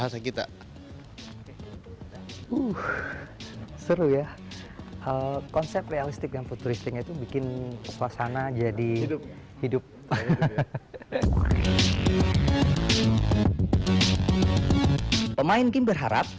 pemain seru ya konsep realistik dan futuristik itu bikin suasana jadi hidup pemain game berharap